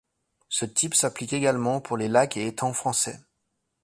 Ce type s'applique également pour les lacs et étangs français.